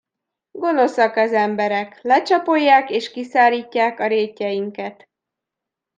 Gonoszak az emberek: lecsapolják és kiszárítják a rétjeinket!